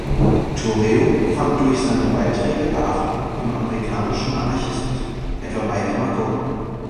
Thoreau fand durch seine Beiträge Beachtung im amerikanischen Anarchismus, etwa bei Emma Goldman.